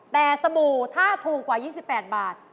แต่สบู่ถ้าถูกกว่า๒๘บาท